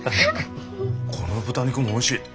この豚肉もおいしい。